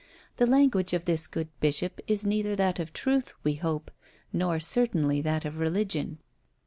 The language of this good bishop is neither that of truth, we hope, nor certainly that of religion.